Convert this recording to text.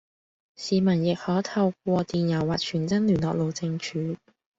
市民亦可透過電郵或傳真聯絡路政署